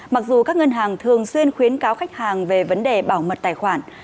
mặc dù các ngân hàng thường xuyên khuyến cáo khách hàng về vấn đề bảo mật tài khoản